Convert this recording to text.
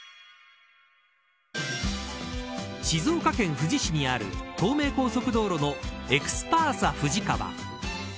静岡県富士市にある東名高速道路のエクスパーサ富士川。